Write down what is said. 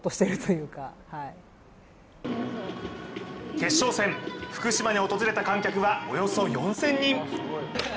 決勝戦、福島に訪れた観客はおよそ４０００人。